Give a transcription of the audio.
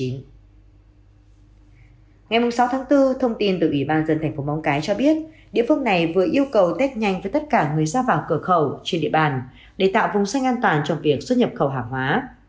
ngày sáu tháng bốn thông tin từ ủy ban dân thành phố móng cái cho biết địa phương này vừa yêu cầu test nhanh với tất cả người ra vào cửa khẩu trên địa bàn để tạo vùng xanh an toàn trong việc xuất nhập khẩu hàng hóa